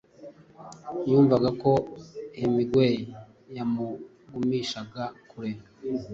yumvaga ko Hemingway yamugumishaga kure: “